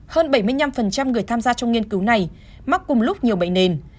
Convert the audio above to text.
hơn bảy mươi năm người tham gia trong nghiên cứu này mắc cùng lúc nhiều bệnh nền